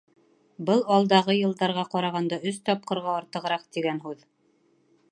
Был алдағы йылдарға ҡарағанда өс тапҡырға артығыраҡ тигән һүҙ.